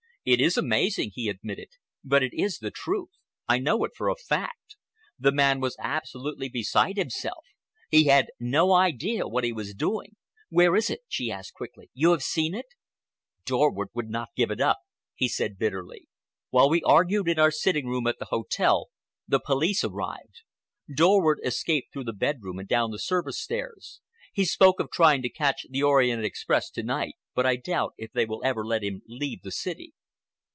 "It is amazing," he admitted, "but it is the truth. I know it for a fact. The man was absolutely beside himself, he had no idea what he was doing." "Where is it?" she asked quickly. "You have seen it?" "Dorward would not give it up," he said bitterly. "While we argued in our sitting room at the hotel the police arrived. Dorward escaped through the bedroom and down the service stairs. He spoke of trying to catch the Orient Express to night, but I doubt if they will ever let him leave the city."